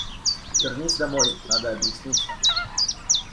Вернись домой, надо объясниться.